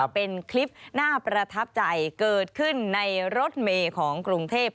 เป็นคลิปน่าประทับใจเกิดขึ้นในรถเมย์ของกรุงเทพ